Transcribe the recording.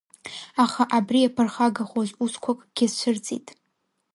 Аха абри иаԥырхагахоз усқәакгьы цәырҵит.